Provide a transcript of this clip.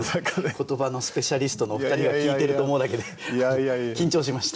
言葉のスペシャリストのお二人が聴いてると思うだけで緊張しました。